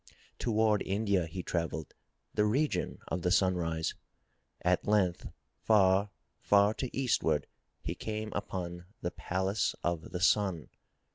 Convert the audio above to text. Toward India he travelled, the region of the Sunrise. At length far, far to eastward he came upon the Palace of the Sun.